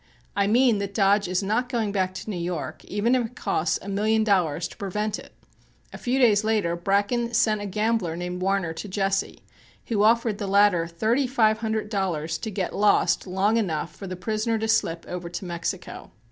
I mean that Dodge is not going back to New York, even if it cost a million dollars to prevent it." A few days later Bracken sent a gambler named Warner to Jesse, who offered the latter thirty five hundred dollars to get "lost" long enough for the prisoner to slip over to Mexico.